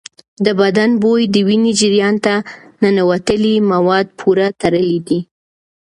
د بدن بوی د وینې جریان ته ننوتلي مواد پورې تړلی دی.